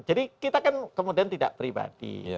jadi kita kan kemudian tidak pribadi